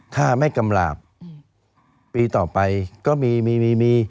ถ้าไม่กำหลาบปีต่อไปก็มีมี